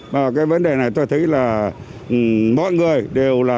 và cái vấn đề này tôi thấy là mọi người đều là